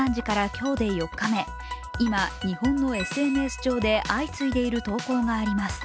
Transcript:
今、日本のＳＮＳ上で相次いでいる投稿があります